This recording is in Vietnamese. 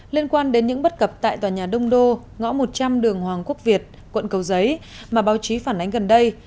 liên quan đến những bất cập tại tòa nhà đông đô ngõ một trăm linh đường hoàng quốc việt quận cầu giấy mà báo chí phản ánh gần đây